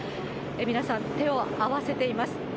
皆さん、手を合わせています。